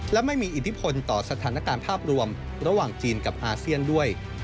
และไม่มีอิทธิพลต่อสถานการณ์ภาพรวมระหว่างจีนกับอาเซียนด้วย